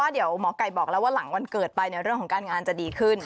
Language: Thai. เดี๋ยวหมอไก่บอกแล้วว่าหลังวันเกิดไปเรื่องของการงานจะดีขึ้น